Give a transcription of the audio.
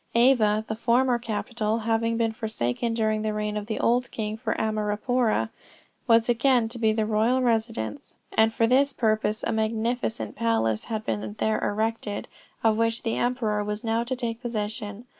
Ava, the former capital, having been forsaken during the reign of the old king for Amarapoora, was again to be the royal residence, and for this purpose a magnificent palace had been there erected, of which the emperor was now to take possession.